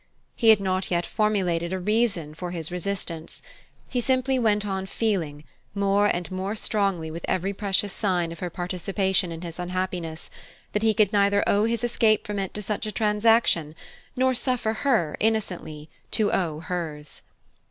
He had not yet formulated a reason for his resistance: he simply went on feeling, more and more strongly with every precious sign of her participation in his unhappiness, that he could neither owe his escape from it to such a transaction, nor suffer her, innocently, to owe hers.